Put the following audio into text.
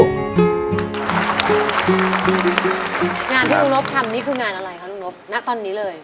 งานที่ลูกน๊อบทำนี่คืองานอะไรครับลูกน๊อบนักตอนนี้เลย